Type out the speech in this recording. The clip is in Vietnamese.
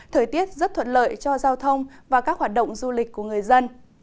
thời tiết rất thuận lợi cho giao thông và các hoạt động du lịch của người dân